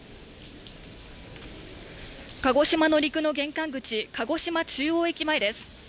鹿児島の陸の玄関口、鹿児島中央駅前です。